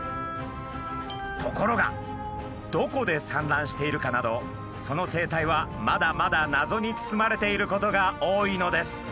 ところがどこで産卵しているかなどその生態はまだまだ謎に包まれていることが多いのです。